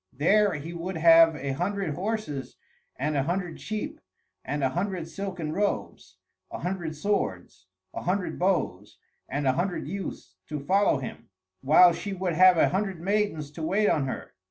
There he would have a hundred horses and a hundred sheep and a hundred silken robes, a hundred swords, a hundred bows, and a hundred youths to follow him; while she would have a hundred maidens to wait on her.